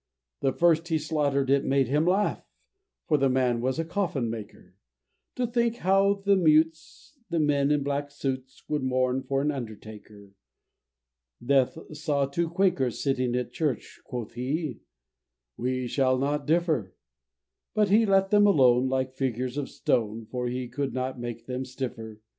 The first he slaughter'd, it made him laugh, (For the man was a coffin maker,) To think how the mutes, and men in black suits, Would mourn for an undertaker. Death saw two Quakers sitting at church, Quoth he, "We shall not differ." And he let them alone, like figures of stone, For he could not make them stiffer.